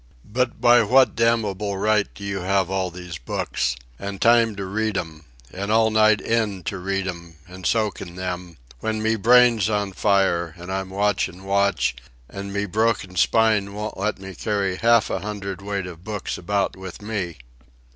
"But by what damnable right do you have all these books, and time to read 'em, an' all night in to read 'em, an' soak in them, when me brain's on fire, and I'm watch and watch, an' me broken spine won't let me carry half a hundredweight of books about with me?"